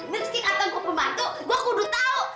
meski kata aku pembantu gue kudu tahu